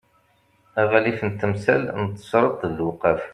aɣlif n temsal n tesreḍt d lewqaf